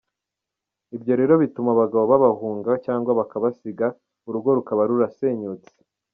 Ibyo rero bituma abagabo babahunga cyangwa bakabasiga ,urugo rukaba rurasenyutse.